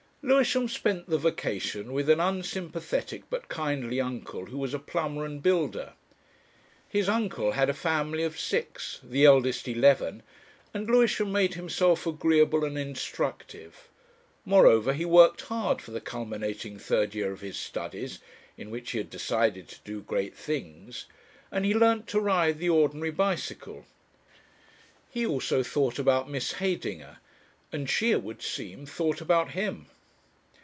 Lewisham spent the vacation with an unsympathetic but kindly uncle who was a plumber and builder. His uncle had a family of six, the eldest eleven, and Lewisham made himself agreeable and instructive. Moreover he worked hard for the culminating third year of his studies (in which he had decided to do great things), and he learnt to ride the Ordinary Bicycle. He also thought about Miss Heydinger, and she, it would seem, thought about him.